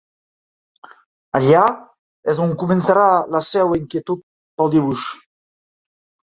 Allà és on començarà la seva inquietud pel dibuix.